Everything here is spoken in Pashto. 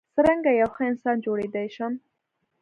څرنګه یو ښه انسان جوړیدای شم.